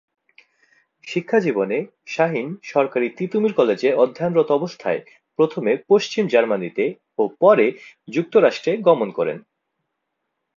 শিক্ষাজীবনে শাহীন সরকারী তিতুমীর কলেজে অধ্যয়নরত অবস্থায় প্রথমে পশ্চিম জার্মানিতে ও পরে যুক্তরাষ্ট্রে গমন করেন।